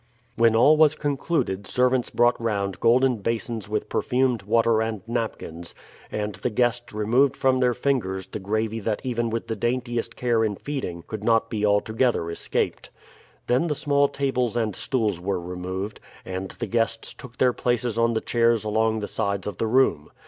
When all was concluded servants brought round golden basins with perfumed water and napkins, and the guests removed from their fingers the gravy that even with the daintiest care in feeding could not be altogether escaped. Then the small tables and stools were removed, and the guests took their places on the chairs along the sides of the room.